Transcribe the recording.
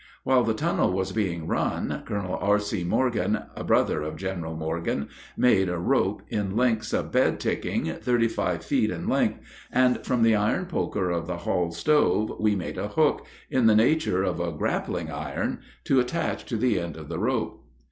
While the tunnel was being run, Colonel R.C. Morgan, a brother of General Morgan, made a rope, in links, of bed ticking, thirty five feet in length, and from the iron poker of the hall stove we made a hook, in the nature of a grappling iron, to attach to the end of the rope.